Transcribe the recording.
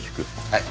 はい。